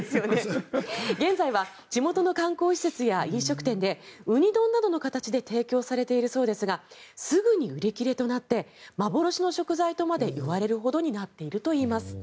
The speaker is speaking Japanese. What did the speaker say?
現在は地元の観光施設や飲食店でウニ丼などの形で提供されているそうですがすぐに売り切れとなって幻の食材とまでいわれるほどになっているといいます。